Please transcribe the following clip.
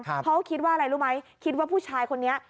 เพราะคิดว่าอะไรรู้ไหมคิดว่าผู้ชายคนนี้